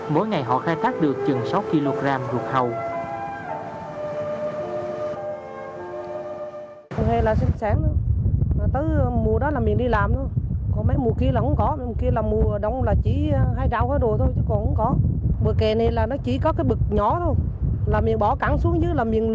mỗi ngày họ khai thác được chừng sáu kg ruột hầu